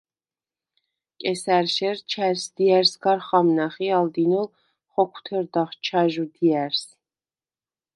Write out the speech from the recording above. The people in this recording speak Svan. კესა̈რშერ ჩა̈ჟს დია̈რს გარ ხამნახ ი ალ დინოლ ხოქვთერდახ ჩაჟვ დია̈რს.